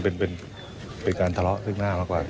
ไม่นี่เป็นการทะเลาะขึ้นหน้ามากกว่า